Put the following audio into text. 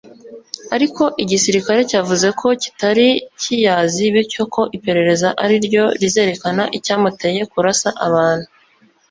Ariko igisirikare cyavuze ko kitari kiyazi bityo ko iperereza ari ryo rizerekana icyamuteye kurasa abantu